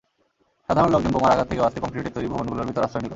সাধারণ লোকজন বোমার আঘাত থেকে বাঁচতে কংক্রিটের তৈরি ভবনগুলোর ভেতরে আশ্রয় নিল।